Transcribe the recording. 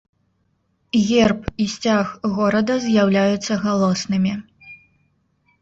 Герб і сцяг горада з'яўляюцца галоснымі.